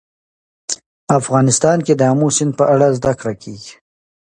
افغانستان کې د آمو سیند په اړه زده کړه کېږي.